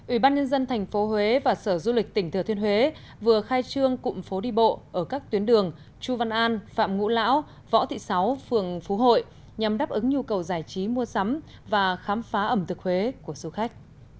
ủy ban nhân dân thành phố huế và sở du lịch tỉnh thừa thiên huế vừa khai trương cụm phố đi bộ ở các tuyến đường chu văn an phạm ngũ lão võ thị sáu phường phú hội nhằm đáp ứng nhu cầu giải trí mua sắm và khám phá ẩm thực huế của du khách